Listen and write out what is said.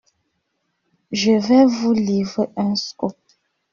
Je vais vous livrer un scoop.